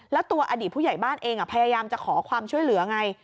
แล้วตัวอดีตผู้ใหญ่บ้านเองพยายามจะขอความช่วยเหลือไง